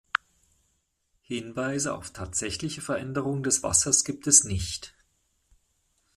Hinweise auf tatsächliche Veränderungen des Wassers gibt es nicht.